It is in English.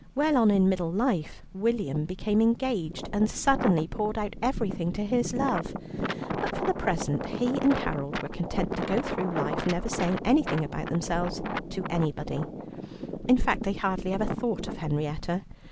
Well on in middle life, William became engaged, and suddenly poured out everything to his love, but for the present he and Harold were content to go through life never saying anything about themselves to anybody. In fact, they hardly ever thought of Henrietta.